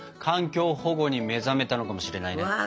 環境保護に目覚めたのかもしれないね。